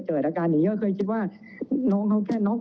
แต่ถ้าดูประสบการณ์คือเป็นถึงผู้บังคับปัญชาในสถานีอย่างนี้ค่ะ